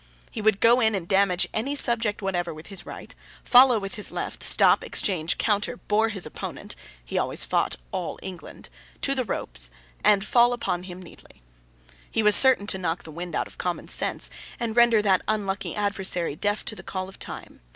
He would go in and damage any subject whatever with his right, follow up with his left, stop, exchange, counter, bore his opponent (he always fought All England) to the ropes, and fall upon him neatly. He was certain to knock the wind out of common sense, and render that unlucky adversary deaf to the call of time.